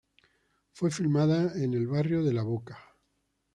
Fue filmada en el barrio de La Boca.